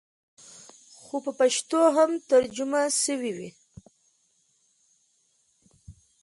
خو په پښتو هم ترجمه سوې وې.